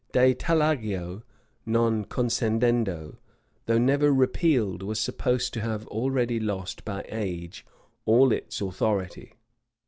"de tallagio non concedendo," though never repealed, was supposed to have already lost by age all its authority.